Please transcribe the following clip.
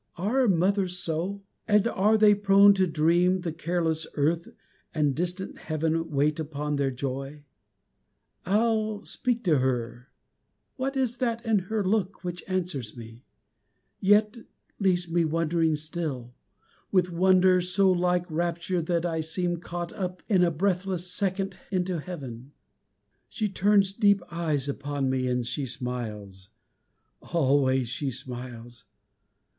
Are mothers so? And are they prone to dream the careless earth And distant heaven wait upon their joy? I'll speak to her ..... What is that in her look Which answers me yet leaves me wondering still, With wonder so like rapture that I seem Caught up a breathless second into Heaven? She turns deep eyes upon me, and she smiles, Always she smiles!